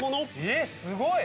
えっすごい！